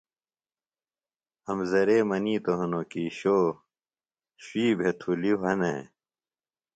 امزرے منِیتوۡ ہنوۡ کیۡ شو شُوی بھےۡ تُھلیۡ وھہ نے